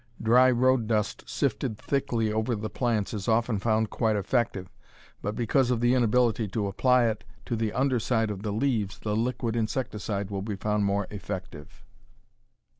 Dry road dust sifted thickly over the plants is often found quite effective, but because of the inability to apply it to the under side of the leaves the liquid insecticide will be found more effective.